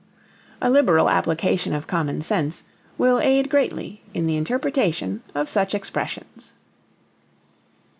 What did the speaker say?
A liberal application of common sense will aid greatly in the interpretation of such expressions.